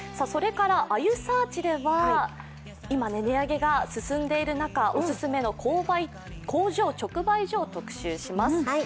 それから「あゆサーチ」では今、値上げが進んでいる中、お勧めの工場直売所を特集します。